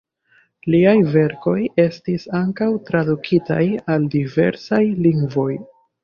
Liaj verkoj estis ankaŭ tradukitaj al diversaj lingvoj.